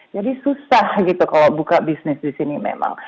susah gitu kalau buka bisnis di sini memang